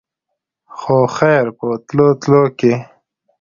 خو خېر په تلو تلو کښې